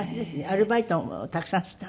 アルバイトもたくさんした？